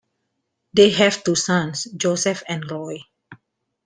They have two sons, Joseph and Roy.